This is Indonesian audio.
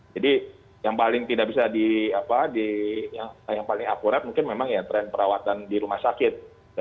jadi yang paling tidak bisa di apa yang paling akurat mungkin memang ya tren perawatan di rumah sakit